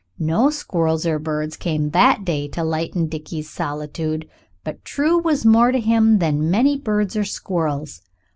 No squirrels or birds came that day to lighten Dickie's solitude, but True was more to him than many birds or squirrels.